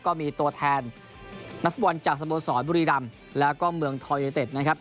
ก็มีตัวแทนนักฟุตบอลจากสโมสรบุรีรำแล้วก็เมืองทอยเต็ดนะครับ